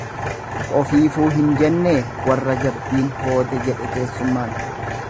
Ofiifuu hin jennee warra jabbiin hoote jedhe keessummaan.